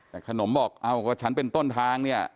แต่ขนมบอกเอ้าก็ฉันเป็นต้นทางเนี่ย